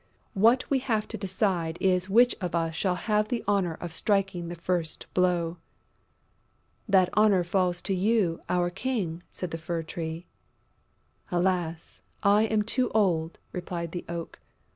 "What we have to decide is which of us shall have the honour of striking the first blow!" "That honour falls to you, our King!" said the Fir tree. "Alas, I am too old!" replied the Oak.